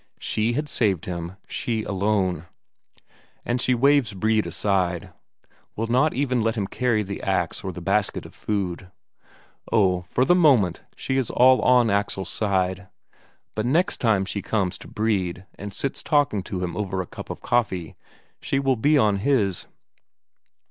She had saved him, she alone. And she waves Brede aside; will not even let him carry the ax or the basket of food. Oh, for the moment she is all on Axel's side but next time she comes to Brede and sits talking to him over a cup of coffee, she will be on his.